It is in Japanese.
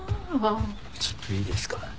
ちょっといいですか？